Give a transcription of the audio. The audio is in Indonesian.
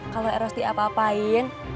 kalau eros diapa apain